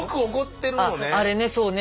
ああれねそうね